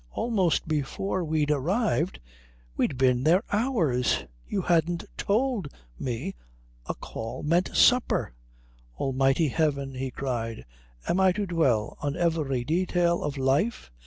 "Almost before we'd arrived? We'd been there hours. You hadn't told me a call meant supper." "Almighty Heaven," he cried, "am I to dwell on every detail of life?